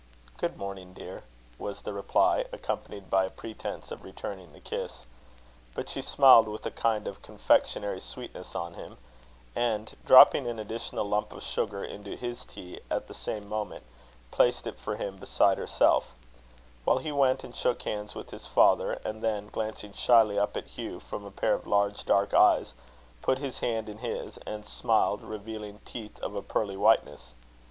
"Good morning, dear," was the reply, accompanied by a pretence of returning the kiss. But she smiled with a kind of confectionary sweetness on him; and, dropping an additional lump of sugar into his tea at the same moment, placed it for him beside herself; while he went and shook hands with his father, and then glancing shyly up at Hugh from a pair of large dark eyes, put his hand in his, and smiled, revealing teeth of a pearly whiteness.